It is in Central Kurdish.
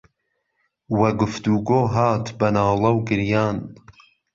وە گوفتووگۆ هات به ناڵه و گریان